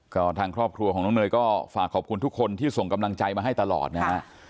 ก็ทางครอบครัวของน้องเนยก็ฝากขอบคุณทุกคนที่ส่งกำลังใจมาให้ตลอดนะฮะ